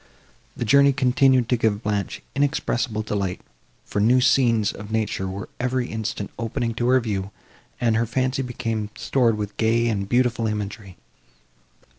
The journey continued to give Blanche inexpressible delight, for new scenes of nature were every instant opening to her view, and her fancy became stored with gay and beautiful imagery.